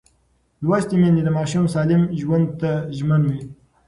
لوستې میندې د ماشوم سالم ژوند ته ژمن وي.